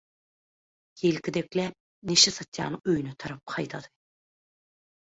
ýelkidikläp neşe satýanyň öýüne tarap haýdady.